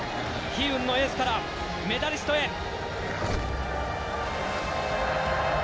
悲運のエースからメダリストへ！